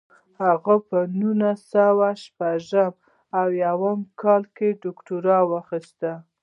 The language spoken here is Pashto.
هغه په نولس سوه شپږ اویا کال کې دوکتورا واخیسته.